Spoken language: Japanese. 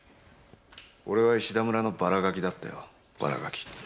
俺は石田村のバラガキだったよ、バラガキ。